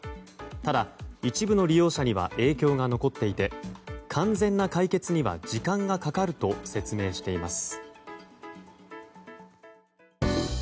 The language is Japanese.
ただ、一部の利用者には影響が残っていて完全な解決には時間がかかると説明しています。